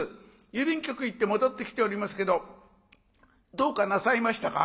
郵便局行って戻ってきておりますけどどうかなさいましたか？」。